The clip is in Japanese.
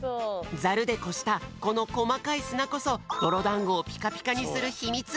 ザルでこしたこのこまかいすなこそどろだんごをピカピカにするひみつ！